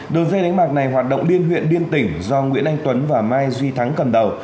đường dây đánh bạc này hoạt động liên huyện liên tỉnh do nguyễn anh tuấn và mai duy thắng cầm đầu